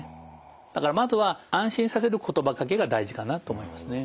だからまずは安心させる言葉かけが大事かなと思いますね。